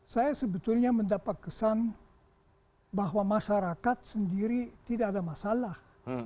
saya sebetulnya mendapat kesan bahwa masyarakat sendiri tidak ada masalah